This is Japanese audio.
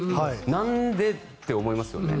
なんで？って思いますよね。